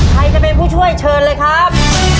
ใครจะเป็นผู้ช่วยเชิญเลยครับ